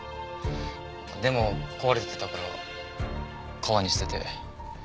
でも壊れてたから川に捨てて。